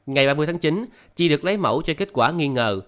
ngày ba mươi tháng chín chi được lấy mẫu cho kết quả nghi ngờ